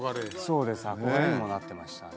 そうです憧れにもなってましたね